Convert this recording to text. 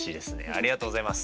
ありがとうございます。